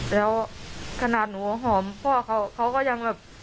แล้วกระนาดหนูออมพ่อเขาก็ยังแบบ